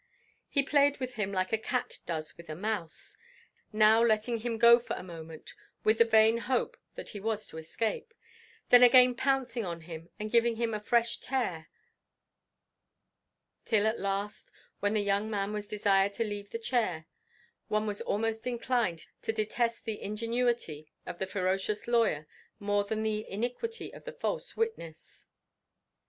He played with him like a cat does with a mouse now letting him go for a moment, with the vain hope that he was to escape then again pouncing on him, and giving him a fresh tear; till at last, when the young man was desired to leave the chair, one was almost inclined to detest the ingenuity of the ferocious lawyer more than the iniquity of the false witness.